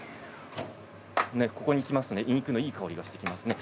ここに来ますとインクのいい香りがしてきます。